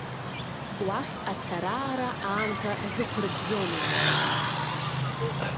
Уахь ацара-аара аамҭа рзақәырӡӡомызт.